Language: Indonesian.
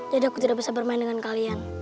jadi aku tidak bisa bermain dengan kalian